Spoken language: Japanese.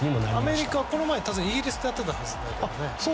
アメリカ、この前にイギリスとやっていたはずですけどね。